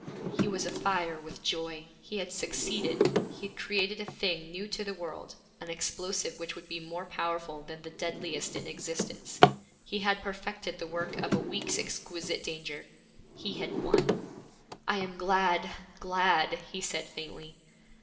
He was afire with joy. He had succeeded; he had created a thing new to the world, an explosive which would be more powerful than the deadliest in existence; he had perfected the work of a week's exquisite danger; he had won. 'I am glad, glad!' he said faintly.